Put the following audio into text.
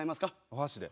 お箸で。